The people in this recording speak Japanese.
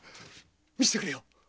見せてくれよ